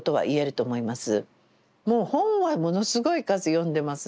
もう本はものすごい数読んでます。